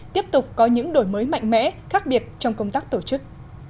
tiếp tục có những đổi mới mạnh mẽ khác biệt trong công tác tổ chức